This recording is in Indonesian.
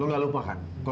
amat jns berbincang gede